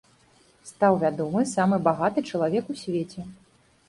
Стаў вядомы самы багаты чалавек у свеце.